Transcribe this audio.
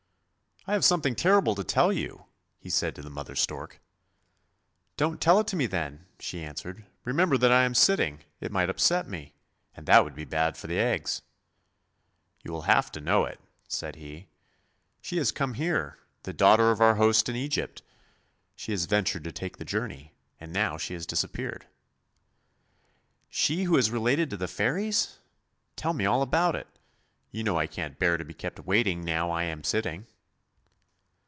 " I have something terrible to tell you! " he said to the mother stork. " Don't tell it to me then," she answered; " remember that I am sitting, it might upset me, and that would be bad for the eggs !"" You will have to know it," said he; " she has come here, the daughter of our host in Egypt. She has ventured to take the journey, and now she has disappeared." THE MARSH KING'S DAUGHTER 277 "She who is related to the fairies! Tell me all about it. You know I can't bear to be kept waiting now I am sitting."